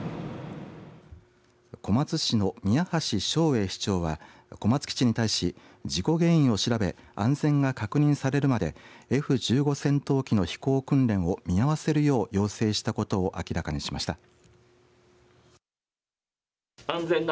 小松市の宮橋勝栄市長は小松基地に対し事故原因を調べ安全が確認されるまでＦ１５戦闘機の飛行訓練を見合わせるよう要請したことを明らかにしました。